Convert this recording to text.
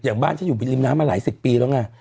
อย่างบ้านฉันอยู่ริมน้ำมาหลายสิปีแล้วน้า